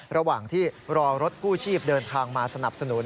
ระหว่างที่รอรถกู้ชีพเดินทางมาสนับสนุน